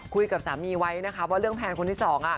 คุยกับสามีไว้นะคะว่าเรื่องแพลนคนที่สองอ่ะ